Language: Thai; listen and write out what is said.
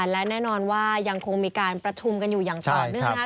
และแน่นอนว่ายังคงมีการประชุมกันอยู่อย่างต่อเนื่องนะครับ